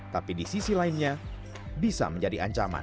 tapi di sisi lainnya bisa menjadi ancaman